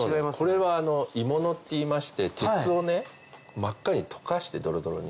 これは鋳物っていいまして鉄を真っ赤に溶かしてドロドロに。